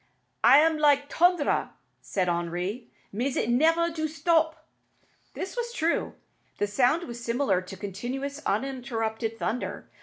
"It am like t'ondre," said Henri; "mais it nevair do stop." This was true. The sound was similar to continuous, uninterrupted thunder.